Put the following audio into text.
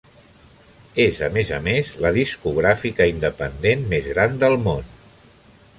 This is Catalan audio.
És a més a més la discogràfica independent més gran del món.